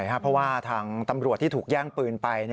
เพราะว่าทางตำรวจที่ถูกแย่งปืนไป